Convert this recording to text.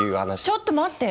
ちょっと待って。